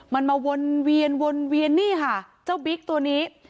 มันมาวนเวียนนี่ค่ะเจ้าบิ๊กตัวนี้